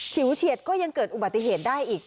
ฉวเฉียดก็ยังเกิดอุบัติเหตุได้อีก